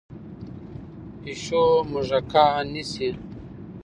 پیشو موږکان نیسي.